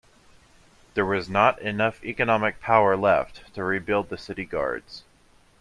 There was not enough economic power left to rebuild the city guards.